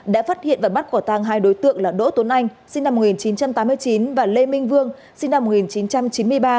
đã phát hiện và bắt quả tăng hai đối tượng là đỗ tuấn anh sinh năm một nghìn chín trăm tám mươi chín và lê minh vương sinh năm một nghìn chín trăm chín mươi ba